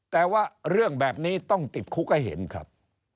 แต่ว่าเรื่องแบบนี้ต้องติดคุกให้เห็นครับ